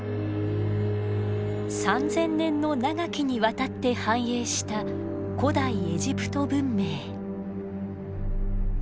３，０００年の長きにわたって繁栄した古代エジプト文明。